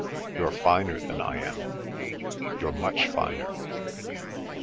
You're finer than I am; you're much finer."